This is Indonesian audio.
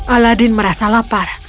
aladin merasa lapar